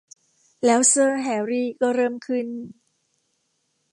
แล้วเซอร์ แฮรี่ ก็เริ่มขึ้น